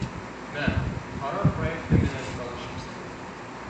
— Мә, ҡарар проекты менән танышып сыҡ